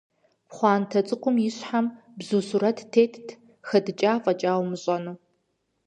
Пхъуантэ цӀыкӀум и щхьэм бзу сурэт тетт, хэдыкӀа фӀэкӀа умыщӀэну.